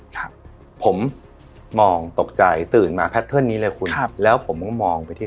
ครับผมมองตกใจตื่นมานี้เลยคุณครับแล้วผมมองไปที่